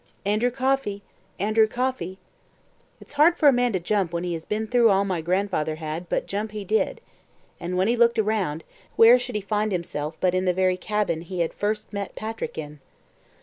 "ANDREW COFFEY! ANDREW COFFEY!" It's hard for a man to jump when he has been through all my grandfather had, but jump he did. And when he looked around, where should he find himself but in the very cabin he had first met Patrick in.